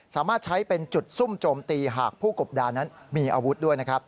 สามารถใช้เป็นจุดซุ่มโจมตีหากผู้กบดานมีอาวุธด้วย